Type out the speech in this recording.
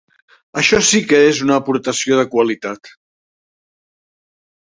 Això sí que és una aportació de qualitat.